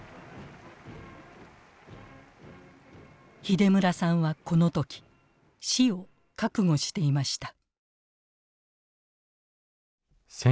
秀村さんはこの時死を覚悟していました。